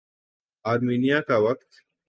Armenia کا وقت